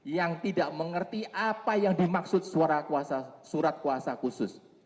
yang tidak mengerti apa yang dimaksud surat kuasa khusus